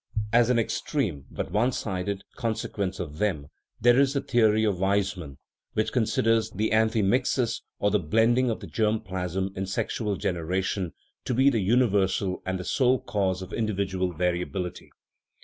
As an ex treme, but one sided, consequence of them, there is the theory of Weismann, which considers the amphimixis, or the blending of the germ plasm in sexual generation, to be the universal and the sole cause of individual vari ability.